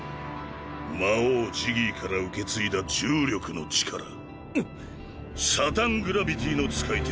魔王ジギーから受け継いだ重力の力「サタングラビティ」の使い手。